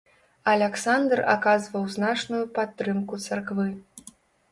Аляксандр аказваў значную падтрымку царквы.